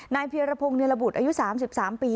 นายเพียรพงศ์เนื้อระบุตรอายุสามสิบสามปี